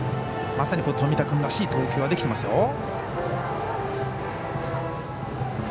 まさに冨田君らしい投球ができてますよ。